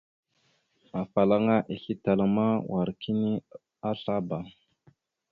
Afalaŋa islétala ma wa kini azlaba.